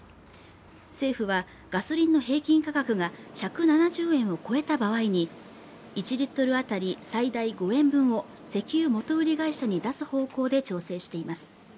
政府は、ガソリンの平均価格が１７０円を超えた場合に、１Ｌ当たり最大５円分を石油元売り会社に出す方向で調整しています。